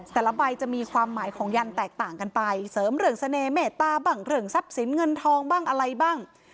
แต่ละใบจะมีความหมายของยันแตกต่างกันไปเสริมเรื่องเสน่หมตาบ้างเรื่องทรัพย์สินเงินทองบ้างอะไรบ้าง